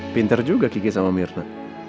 pinter juga kiki sama mirna